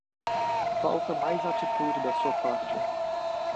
Falta mais atitude da sua parte